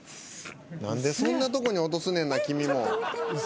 何でそんなとこに落とすねんな君も。